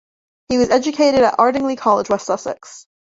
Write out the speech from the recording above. He was educated at Ardingly College, West Sussex.